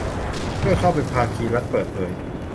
เพื่อเข้าเป็นภาคีรัฐเปิดเผย